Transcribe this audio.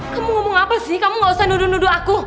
kamu ngomong apa sih kamu gak usah nuduh nuduh aku